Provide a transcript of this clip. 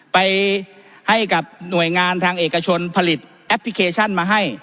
ไปให้กับหน่วยงานทางเอกชนผลิตแอปพลิเคชันมาให้